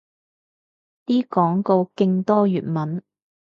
啲廣告勁多粵文